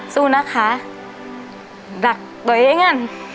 สู้นะคะดักโดยเองอ่ะ